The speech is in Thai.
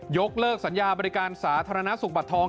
ยกเลิกสัญญาบริการสาธารณสุขบัตรทอง